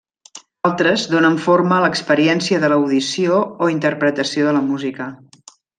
Altres, donen forma a l'experiència de l'audició o interpretació de la música.